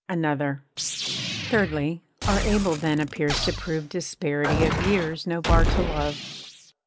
_ ANOTHER Thirdly, our able then appears to prove _Disparity of years no bar to love.